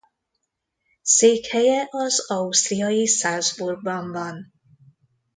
Székhelye az ausztriai Salzburgban van.